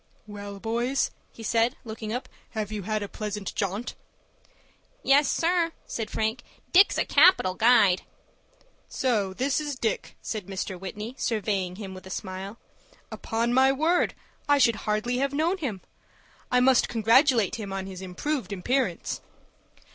"Well, boys," he said, looking up, "have you had a pleasant jaunt?" "Yes, sir," said Frank. "Dick's a capital guide." "So this is Dick," said Mr. Whitney, surveying him with a smile. "Upon my word, I should hardly have known him. I must congratulate him on his improved appearance."